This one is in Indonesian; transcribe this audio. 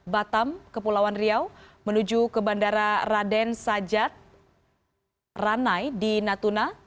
batam kepulauan riau menuju ke bandara raden sajat ranai di natuna